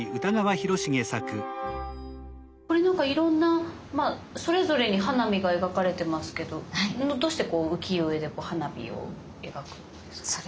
これなんかいろんなそれぞれに花火が描かれてますけどみんなどうしてこう浮世絵で花火を描くんですか？